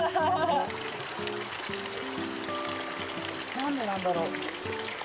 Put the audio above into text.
何でなんだろう。